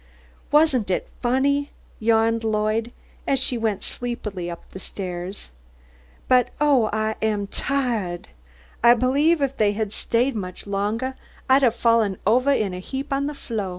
"Wasn't it funny?" yawned Lloyd, as she went sleepily up the stairs. "But oh, I'm so tiahed. I believe if they had stayed much longah, I'd have fallen ovah in a heap on the flo'."